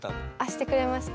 してくれました。